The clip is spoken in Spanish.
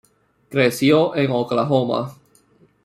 Creció en Oklahoma.